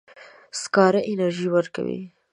سکاره انرژي ورکوي.